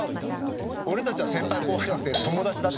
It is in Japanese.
「俺たちは先輩後輩じゃなくて友達だ」って。